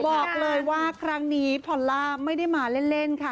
บอกเลยว่าครั้งนี้พอลล่าไม่ได้มาเล่นค่ะ